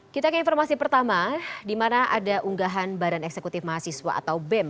kita ke informasi pertama di mana ada unggahan badan eksekutif mahasiswa atau bem